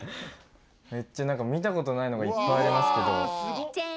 めっちゃなんか見たことないのがいっぱいありますけど。